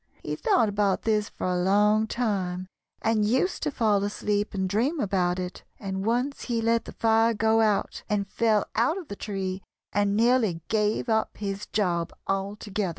He thought about this for a long time, and used to fall asleep and dream about it, and once he let the fire go out, and fell out of the tree and nearly gave up his job altogether."